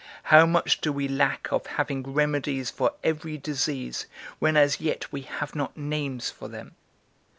how much do we lack of having remedies for every disease, when as yet we have not names for them?